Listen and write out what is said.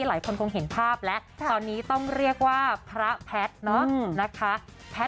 หลายคนตงสักภาพและตอนนี้ต้องเรียกว่าพระแพทรนะคะ